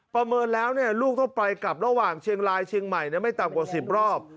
ประเมินแล้วลูกต้องไปกลับระหว่างเชียงรายเชียงใหม่ไม่ต่ำกว่า๑๐รอบ